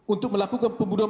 untuk melakukan pembunuhan